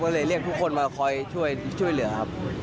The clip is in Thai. ก็เลยเรียกทุกคนมาคอยช่วยเหลือครับ